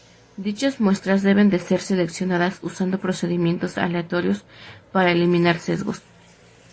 Dichas muestras deben de ser seleccionadas usando procedimientos aleatorios, para eliminar sesgos.